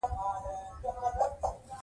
خو حق اخیستل کیږي.